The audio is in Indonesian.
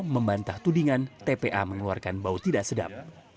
membantah tudingan tpa mengeluarkan bau tidak sedap